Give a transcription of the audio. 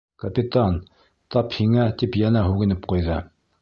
Капитан, тап һиңә, тип йәнә һүгенеп ҡуйҙы.